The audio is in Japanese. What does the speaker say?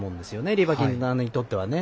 リバキナにとってはね。